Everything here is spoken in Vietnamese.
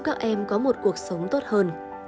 để cho các em có một cuộc sống tốt hơn